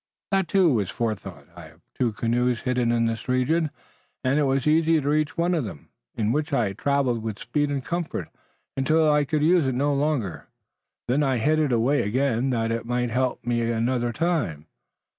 "That, too, was forethought. I have two canoes hidden in this region, and it was easy to reach one of them, in which I traveled with speed and comfort, until I could use it no longer. Then I hid it away again that it might help me another time."